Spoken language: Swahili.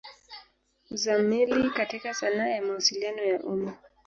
Uzamili katika sanaa ya Mawasiliano ya umma.